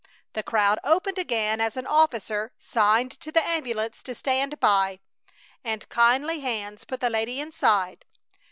The crowd opened again as an officer signed to the ambulance to stand by, and kindly hands put the lady inside.